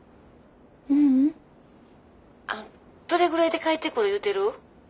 ううん。どれぐらいで帰ってくる言うてる？